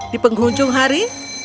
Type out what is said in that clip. di penghujung hari